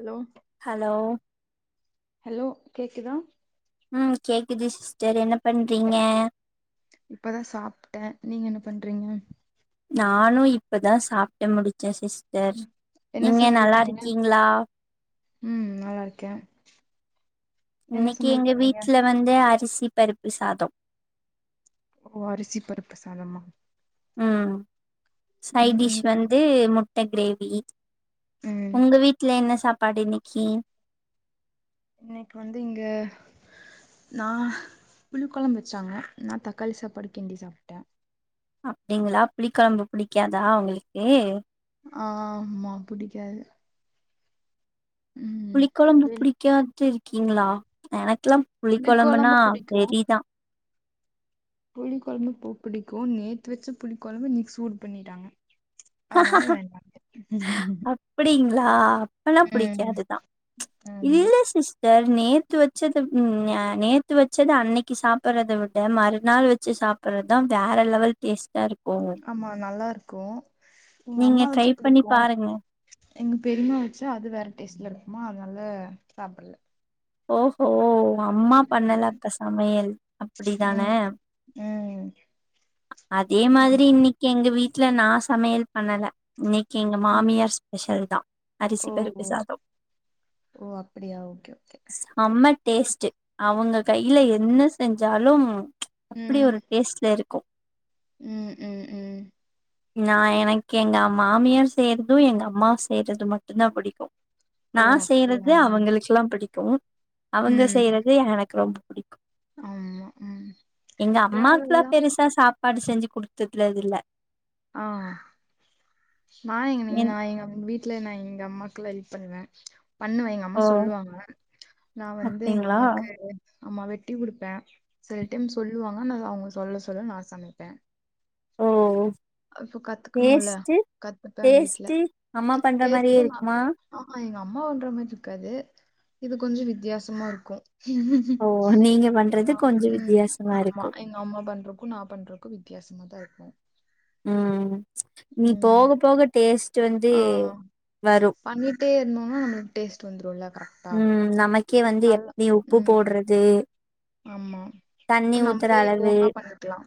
Allow hello hello கேக்குதா உம் கேக்குது சிஸ்டர் என்னப் இப்பதா சாப்ட்டே நீங்க என்ன பண்றீங்க நானு இப்பதா சாப்ட்டு முடிச்சே சிஸ் என்ன சமையல் பண்ணீங்க உம் நல்லா இருக்கே என்ன இன்னக்கி சமையல் எங்க பண்ணீங்க வீட்ல வந்து அரிஸ் ப்பருப்பு சாதோ ஓ அரிசி பருப்புசாதமா உம் சைட் டிஷ் வந்து முட் ட்ட கிரேவி ம் உங்க வீட்ல என்ன ஸ் சாப்பாடு இன்னிக்கி இன்னிக்கு வந்து இங்க நா புளி கொழம்பு வெச்சாங்க நா தக்காளி சாப்பாடு கிண்டி சாப்ட்டே அப்டிங்களா புளி கொழம்பு புடிக்காதா உங்களுக்கு ஆஹ் ஆமா புடிக்காது ம் புளிக் கொழம்பு வெள் புடிக்காத்திரு கிங்ளா எனக் க்ல்லா புளி கொழம்புனா புளிக்கொழம்பு வெறிதா புளி கொழம்பு பொ புடிக்கு நேத்து வெச்ச புளி கொழம்ப இன்னிக் சூடு பண்ணிட்டாங்க அதனால வேண்டான்ட்டே அப்பிடிங்ளா அப்பனா ம் புடிக்காதுதா ஆமா இல்ல சிஸ்டர் நேத்து வெச்சது ம் ய நேத்து வெச்சத அன்னிக்கி சாப்பட்றத விட மறுநாள் வெச்சு சாப்பிட்றத்தா வேற லெவல் டேஸ்ட்டா இரு ஆமா நல்லா இரு கூ நீங்க ட்ரை பண்ணி பாருங்க எங்க பெரிம்மா வெச்சா அது வேற டேஸ்ட்ல இருக்குமா அதனால சாப்பல்ல ஓஹோ அம்மா பண்ணலா அப்ப சமையல் அப்பிடிதான ம் ம் அதேமாதிரி ஆமா இன்னிக்கி எங்க வீ ட்ல நா சமையல் பண்ணல இன்னி எங்க ம் மாமியார் ஸ்பெஷல் தா அரிசி ஓ பருப்பு ஓ சாதோ ஓ அப்படியா ஓகே ஓகே செம்ம டேஸ்ட்டு அவுங்க கையில என்ன செஞ் ஜாலும் அப்பிடி ம் ஒரு டேஸ்ட்ல இருக்கும் ம் ம் ம் நா எனக்கு எங்க மாமியார் செய்யறது எங்க அம்மா செய்றது மட்டுந்தா புடிக்கு ஓ நா செய்றது அப்படியா அவங்களுக்குல்லா புடிக் போ அவங்க ம் செய்றது எனக்கு ரொம்ப புடிக்கு ஆமா ம் எங்க அம்மாக்லா டிராவல்லா பெருசா சாப்பாடு செஞ்சி குடுத்தத்லல்ல ஆ நா எங்க நீ என் நா எங்க வீட்ல நா எங்க அம்மா லா எல்ப் பண்ணுவ பண்ணுவே எங்க ஓ அம்மா சொல்வாங்க நா வந்து எங்க அப்டிங்களா அம்மாக்கு ஆமா வெட்டி குடுப்பே சில டைம் சொல்லுவாங்க நா அவ்ங்க சொல்ல சொல்ல நா சமைப்ப ஓ இப்ப கத்துக்கணுல்ல டேஸ்ட்டு கத்துப்ப வீட்ல டேஸ்ட்டு அம்மா பண்ற மாரியே டேஸ்ட்டு ந இருக்குமா ஆ அம்மா பண்ற மாரி இருக்காது இது கொஞ்சொ வித்தியாசமா இருக்கு ஓ நீங்க பண்றது கொஞ்சோ ம் வித்தியாசமா ஆமா இருக்கு எங்க அம்மா பண்றக்கு நா பண்றக்கு வி வித்தியாசமா தா இருக்கு ம் நீ ம் போகப் போக டேஸ்ட்டு வந்து ஆ வரு பண்ணிட்டே இருந்தோனா நம்மளுக்கு டேஸ்ட் வந்துருல கரெக்டா ம் நம க்கே வந்து நல்லா எப்டி உப்பு ம் போட்றது ஆமா, அப்ப நம்மளே அளவு ஓனா பண்ணிக்லா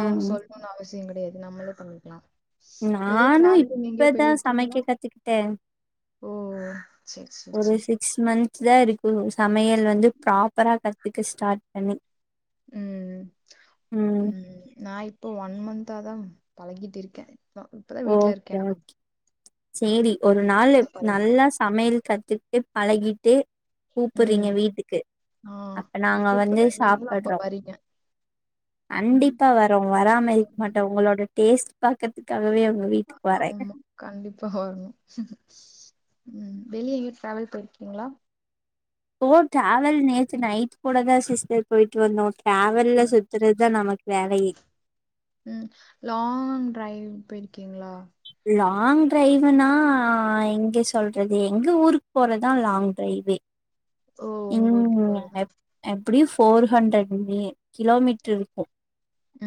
அவங்க சொல்ணுனு அவ சியம் கடையாது நம்மளே பண்ணிக்லா நானு இப்பதா போயிருக்கீங்களா சமைக்க கத்துக்கிட்டே ஓ சரி சரி ஒரு சரி சிக்ஸ் மந்த் தா இருக்கு சமையல் வந்து ப்ராப்பரா கத் துக்க ஸ்டார்ட் பண்ணி ம், ம் நா இப்பே ஒன் மந்த்தாதா பழகிட்டு இருக்கே அ இப்பதா வீட்ல இருக்கே ஓகே நா ஓகே சேரி ஒரு நாளு நல்லா சமையல் கத்து ட்டு பழகிட்டு கூப்புட்றீங்க ம் வீட்டுக்கு ஆ அப்ப நாங்க வந்து கூப்புட்றே நீங்களு அப்ப சாப்பட்றோ, வரீங்க ம் கண்டிப்பா வரோ வராம இருக்க ஆமா மாட்டோ உங்களோட டேஸ்ட் பாக்கற்த்துக்காக ஆமா கண்டிப்பா வர்ணு உம் வெளிய எங்யு ட்ராவல் போய்ர்க்கீங்ளா ஒவோ ட்ராவல் நேத்து நைட் கூட தா சிஸ்டர் பொய்ட் வந்தோ டாவ்வல்ல ம் சுத்துறுதா நமக் வேலையி ம் லாங் ட்ரைவ் போய்ர்க்கீங்ளா லாங் ட்ரைவுனா எங்கே சொல்றதே எங்க ஊருக் போறதா லாங் ட்ரைவே ஓ உங்க ஊருக் போறதா போர் ஹண்ட்ரட் இம்மி கிலோமீட்டுருக்கு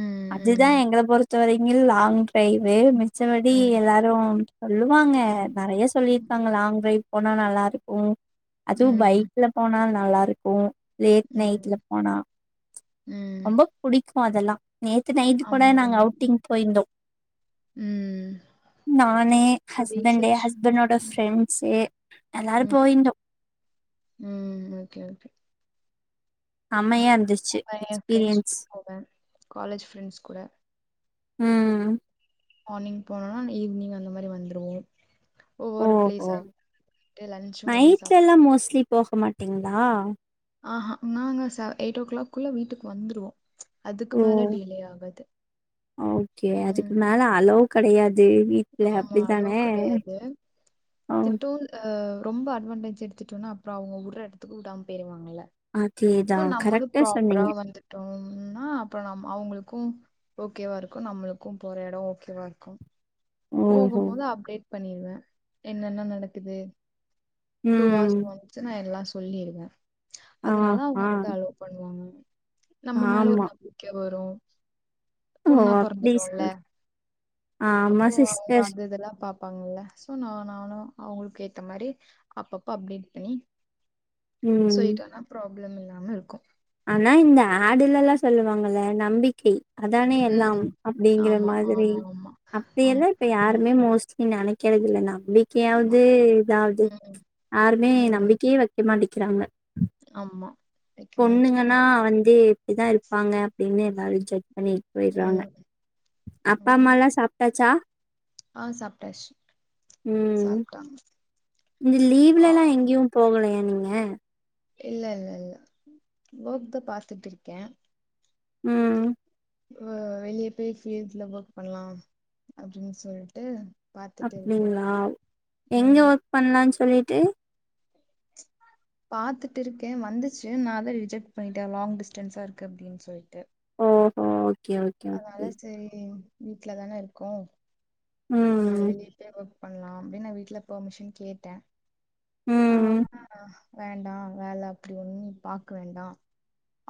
ம் அதுதா ம் எங்கள பொறுத்த வரைக்கில் லாங் ட்ரைவே மிஸ் ச்சபடி ம் எல்லாரு தொல்லுவாங்க ம் நறையா ம் சொல்லிர்க்காங்க லாங் ட்ரைவ் போனா நல்லாருக்கு அதுவு ம். பைக்ல போனால்னா நல்லாருக்கு லேட் நைட்ல ம். போனா ம். ரொம்ப புடிக் போ அதெல்லா நேத்து நைட்டு் கூட நாங் ஆமாம். அவ்ட்டிங் போயிந்தோ ம். நானே இப்ப வீட்ல ஹஸ்பண்டே சு ஹஸ்பண்டோட ம். ஃப்ரெண்ஸே எல்லாரு ம். போயிந்தோ ம் ஓகே ஓகே அம்மையன் கூப்ட்டா என் ஃப்ரெண்ஸ் போவே காலேஜ் ஃப்ரெண்ஸ் கூட ம் மார்னிங் போனோனா ஈவிஅனிங் அந்த மாரி வந்துருவோ ஒவ்வொரு ஓஹோ ப்ளேஸா ட்டு லன்ச்சு வெளியே சாப் போஹ மாட்டீங்ளா ஆஹா நாங்க ச எய்ட் ஓ க்ளாக் குள்ள வீட்டுக் வந்துருவோ ஓ ஓகே ம். அதுக்கு மேல அளோ கடையாத் ஆமா அளோ கடையாது ஆ திட்டூன் அ ரொம்பாட் வான்டேஜ் எடுத்துட்டோன்னா அப்றோ அவுங்க உர்ற எடத்துக்கு உடாம் பேய்ருவாங்கல்ல அதேதா சோ நம்மளு கரெக்டா ப்ராப்பரா சொன்னீங்க வந்துட்டோம்னா அப்ற நாம் அவ்ங்குள்க்கு ஓகேவா ருக்கு நம்மளுக்கு போற எடோ ஓகேவா இர்க்கு ஓஹோ போகும்போது அப்டேட் பண்ணீர்வே என்னன்னா நடக்குது டூ ம் ஆஸ் வன்சு நா எல்லாஸ் சொல்லிருங்க அதனால அவுங்க ஆஹா வந்து அலோ பண்ணுவாங்க நம்ம மேல ஒரு நம்பிக்க வரு பொண்ணா அம்மாமா பொறந்துட்டோல்ல ப்ளீஸ்ங்து, ஆமா அப்போ அவுங்க சிஸ்டர் அது இதெல்லா பாப்பாங்கல்ல சோ நா நானு அவுங்களுக்கு ஏத்த மாறி அப்பப்ப அப்டேட் பண்ணி ம் சொல்லிட்டனா ப்ரா ப்ளம் இல்லாம இருக்கு ஆனா இந்த ஆடுலெல்லா சொல்லுவாங்கல்ல நம்பிக்கை அதானே எல்லாம் ம் அப்டிங்கிற ஆமா மாதிரி ஆமா ஆமா ஆமா அப்டியெல்லா இப்ப ஆம் யாருமே மோஸ் நீ நெனைக்கிறது இல்ல ந ஆமா ம்பிக்கையாவது இதாவது ம் யாருமே ம் நம்பிக்கையே வைக்க மாட்டிங் கிறாங்க ஆமா வெக்க பொண்ணுங்கனா மாட்டிக்கிறாங்க வந்து இப்டிதா இருப்பாங்க அப்டின்னு எல்லாரையு சொ பண்ணியிட் போய்ர்றாங்க ம் ஆமா அப்பாம்மால்லா சாப்ட்டாச்சா ஆ சாப்ட்டாச்சு ம் சாப்ட்டாங்க இந்த கா லீவ்லல்லா எங்கியும் போகலயா நீங் ஏ இல்ல இல்ல இல்ல ஓக்தா பாத்துட்ருக்கே ம் வ வெளிய போய் ஃபில்ட்ஸ்ல புக் பண்லா அப்டின் சொல்ட்டு பாத்துட்டு இருக்கே அப்டிங்ளா எங்க ம் ஒர்க் பண்லான் சொ சொல்லீட்டு பாத்துட்டு இருக்கே வந்துச்சு நாதா ரிஜெக்ட் பண்ணிட்டே லாங் டிஸ்டன்ஸா இருக்கு அப்டின் சொல்ட்டு ஓஹோ ஓகே ஓகே அதனால ஓகே சேரி வீட்லதான இருக்கோ நம்ம ம் [unintelligible] ஒக் பண்லா அப்டி நா வீட்டல பம்மிஷன் கேட்ட ஆ ம் [inaudible] வேண்டா வேல அப்டி ஒண்ணு நீ பாக்க வேண்டா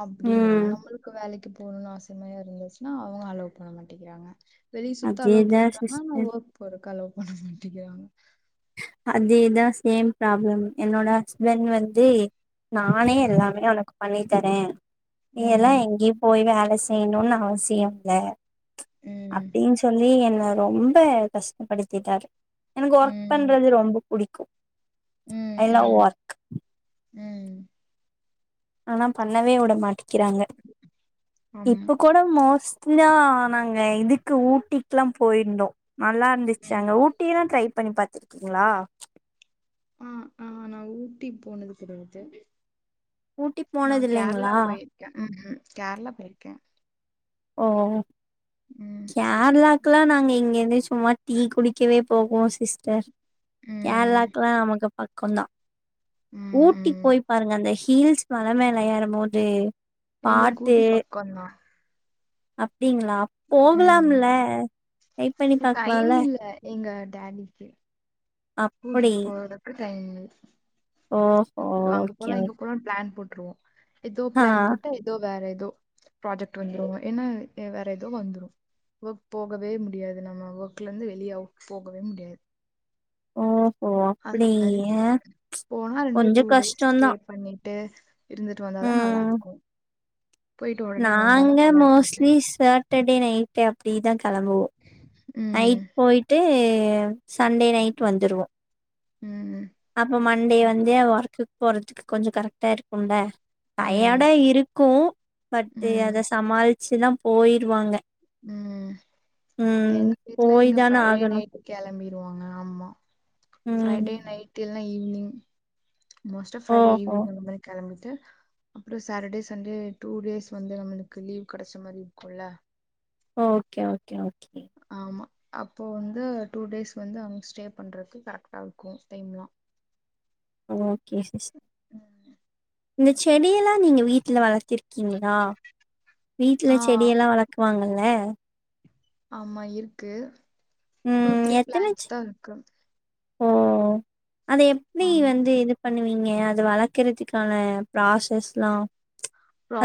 அப்டிங்குறாங்க ம் நம்பளுக்கு வேலைக் க்கு போணுன்னு அவசியமாவே இருந்துச்சுனா அவங்க அலோ பண்ண மாட்டேங்கிறாங்க வெளிய சுத்த அலோ அதேதா பண்றா நா சிஸ்டர் ஒர்க் போற க்கு அலோ பண்ண மாட்டிங்கிறாங்க அதேதா சேம் ப்ராப்ளம் என்னோட ஹஸ்பண்ட் வந்து நானே ம். எல்லாமே ஒனக்கு பண்ணி தரே நீ எல்லா ம். எங்கேயு போய் வேல செய்யணுனு அவசியம் இல்ல ம். அப்டின்னு சொல்லி என்ன ரொம்ப கஷ்டப்படுத்திட்டாரு ம் து ரொம்ப புடிக்கு ம். ஐ லவ் ம். ஒர்க் ம் ஆனா பண்ணவே வுட மாட்டி க்கிறாங்க ஆமா. இப்ப கூட மோஸ் எப்டினா நாங்க இதுக்கு ஊட்டிக்குலா போயிருந்தோ நல்லா இருந்துச்சு ம். அங்க ஊட்டி எல்லா ட்ரை பண்ணி பாத்துருக்கீங்ளா அ ஆ நா ஊட்டி போனது கெடையாது ஊட்டி நா போனது கேரளா இல்லைங்களா போயிருக்கே ம் ம் கேரளா போயிருக்கே ஓ கேரளாக் க்கலா நாங்க இங்கிருந்து சும்மா டீ குடிக்கவே போவோ சிஸ்டர் ம். கேரளாக்குலா நமக்கு பக்கோந்தா ம். ஊட்டிக்கு ம். போய் பாருங்க அந்த ஹீ ஹீல்ஸ் மலை மேல ஏறும் போது எங்களுக்கு ஊட்டி பக்கோந்தா அ அப்டிங்களா ம். போகலாமில்ல வெயிட் பண்ணி டைம் பாக்கலால இல்ல எங்க டாடிக்கு கூட்டிட்டு போறதுக்கு டைமில் ஓ ஹோ ஓகே ருவோ எதோ ஆ பிளான் போட்டு எதோ வேற இ எதோ ப்ராஜெக்ட் வந்துருங்க ஏனா வேற எதோ வந்துரு ஒர்க் போகவே முடியாது நம்ம ஒர்க்ல இருந்து வெளிய அவுட் போகவே முடியாது ஓ அந்த மாரி போனா ரெண்டு கொஞ்சோ டூ டேஸ் ஸ்டே கஷ்டோந்தா பண்ணி ட்டு இருந்துட்டு வந்தாதா ம் நல்லாருக்கு நாங்க இருக்காது மோஸ்ட்லி சாட்டர்டே நைட் அப்டிதா கெளம்புவோ ம் நைட் போயிட்டு எ சண்டே நைட் வந்துருவோ ம் அப்போ மண்டே ஓகே வந்து ஓகே ஒர்க்கக்கு போறதுக்கு கொஞ்ச கரெக்டா இருக்கும் ல ம் டையாடா இருக் கு பட்டு ம் அத சமாள ச்சுதா போயிருவாங்க உம் ம் எங்க வீட்ல போய் இங்க தான ஃப்ரைடே ஆகணு நைட்டு கிளம்பிருவாங்க ஆமா ம் ஃப்ரைடே நைட்டில் இல்ல ஈவினிங் மோஸ்ட ஆ ஃப்ரைட ஓஹோ ஈனிங் அந்தமாரி கேளம்பி அப்புறம் சாட்டர்டே சண்டே டூ டேஸ் வந்து நம்மளுக்கு லீவ் கிடைச்ச மாதிரி இருக்கும்ல ஓகே ஓகே ஓகே ஆமா அப்போ வந்து டூ டேஸ் வந்து அவங்க ஸ்டே பண்றது கரெக்டா இருக்கும் டைம்லா ஓகே சீஸ் இந்த செடியெல்லா நீங்க வீட்ல வளர் தீர்க்கேங்களா வீட்ல ஆ செடியெல்லாம் வளக்குவாங்க ல்ல ஆமா இருக்கு டூ ம் த்ரீ எத்தன செ பிளான்ட்ஸ்தா இருக்கு ஓ அத எப்டி ஆமா வந்து இது பண் வீங்க அது வளக்குறதுக்கான ப்ராசஸ்லா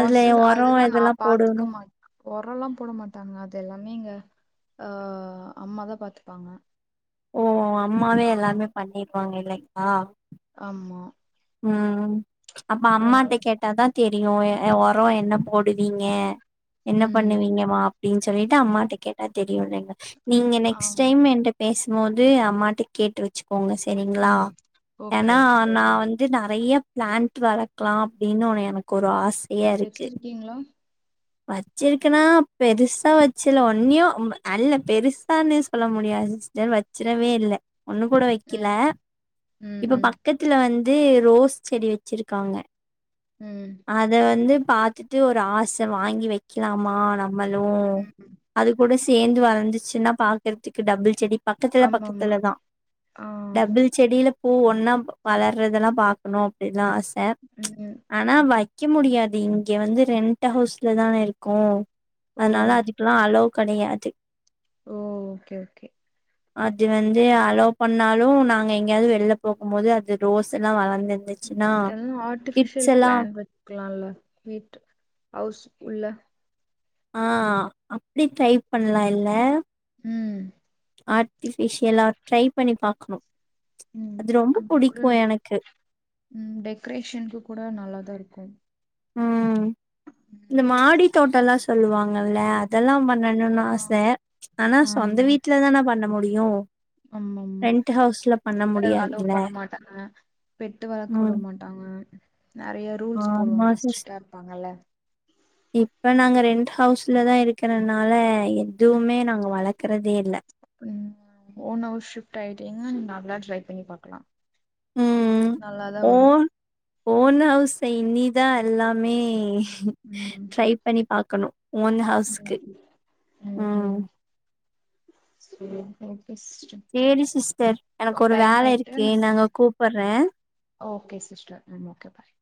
அதுல ஒரோ அதெல்லா நா இதெல்லா பாத்துக்க போடணு மாட்ட ஒரல்லா போட மாட்டாங்க அது எல்லாமே எங்க ஆ அம்மாதா பாத்துப்பாங்க ஓ அம்மாவே ஆமா எல்லாமே பண்ணி ப்பாங்க இல்லைங்ளா ஆமா ம் அப்ப அதனால அம்மாட்ட கேட்டாதா தெரியு ஒர என்ன போடுவிங்க என்ன ம் பண்ணுவிங்கமா அப்டின் சொல்லிட்டு அம்மாட்ட கேட்டா தெரியு இல்லேங்க நீங்க நெக்ஸ்ட் ஆம் டைம் என்ட்ட பேசம்போது அம்மாட்ட கேட்டு வெச்சு கோங்க சரிங்ளா ம் ஓகே ஏனா நா சொல்றே வந்து நெறையா பிளான்ட் வளக்லா அப்டின்னு உன எனக்கு ஒரு ஆச வெச்சிருக்கிங்ளா வச்சிருக்கனா பெருசா வச்சில ஒன்னியு அல்ல பெருசான்னு சொல்ல முடியாது சிஸ்டர் வச்சிடவே இல்ல ஒண்ணு கூட வெக்கில ம் ம் இப்ப ம் பக்கத்துல வந் து ரோஸ் செடி வெச்சிருக்காங்க ம் அத வந்து பாத்துட்டு ஒரு ஆச வாங்கி வெக்கலாமா நம் மளு ம் அது கூட சேந்து வளர்ந்துச்சுன்னா பாக்கறதுக்கு டபுள் செடி பக்கத்துல ஆமா ஆமா பக்கத்துலதா ஆ டபுள் செடில பூ ஒன்னா வளர்றதெல்லா பாக்கணு அப்படிலா ஆச ச ம் ஆனா வைக்க முடியாது இங்க வந்து ரெண் ட ஹவுஸ்ல தான இருக்கோ ஓ அதனால அதுக்கெல்லா அல்லோ கெடையாது ஓ ஓகே ஓகே அது வந்து அலோ பண்ணாலு நாங்க எங்கேயாவது வெளில போகும் போது அது ரோஸ் எல்லா வளர்ந்து இல்ல ஆர்ட்டிபிஷியல் பிளான்ட் வைக்கலால்ல வீட் அவுஸ் உள்ள ஆ அப்படி ட்ரை பண்ணலா இல்ல ம் ஆர்டிபிஷியலா ட்ரை பண்ணி பாக்கணு உம் அது ரொம்ப அப்டிகூட புடிக்கு எனக்கு உம் டெக்ரேஷனுக்கு கூட நல்லாதா இருக் கு உம் இந்த மாடி தோட்டல்லா சொல்லுவாங்கல்ல அதெல்லா பண் பண்ணனு ஆ ஆச ஆனா சொந்த வீட்டுலதான பண்ண முடியும் யு ஆமா ஆமா அத அலோ முடியாதுல்ல பண்ண மாட்டாங்க பெட்டு வளக்க வுட ம் மாட்டாங்க நறைய ரூல்ஸ் ஆமா போடுவாங்க சிஸ் ஸ்ட்ரிக்டா இருப்பாங்கல்ல இப்ப நாங்க ரெண்ட் ஹவுஸ்லதா இருக்கறனால ம் எதுவுமே நாங்க வளக்கறதே இல்ல டிங்கா நல்லா ட்ரை பண்ணி பாக்கலா ம்ம் நல்லாதா வரு ஓன் ஓன் ஹவுல்ல நீ தா எல்லாமே ட்ரை பண்ணி பாக்கணு ஓன் ஹவுஸ்க்கு கண்டிப்பா ம், ம் சேரி சேரி நெக்ஸ்ட் சேரி சிஸ்டர் ஓ எனக்கு ஒரு டைம் வேல ஆயிட்டா இருக்கு நம்ம நாங்க கூப்பட்றே ஓகே சிஸ்டர் ம் ஓகே பாய்